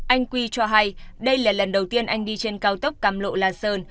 anh quy cho hay đây là lần đầu tiên anh đi trên cao tốc cam lộ la sơn